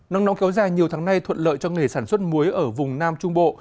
nắng nóng kéo dài nhiều tháng nay thuận lợi cho nghề sản xuất muối ở vùng nam trung bộ